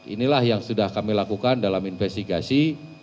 inilah yang sudah kami lakukan dalam investigasi